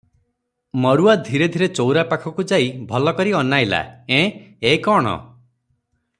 ମରୁଆ ଧୀରେ ଧୀରେ ଚଉରା ପାଖକୁ ଯାଇ ଭଲ କରି ଅନାଇଲା ଏଁ, ଏ କଣ?